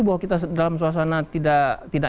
bahwa kita dalam suasana tidak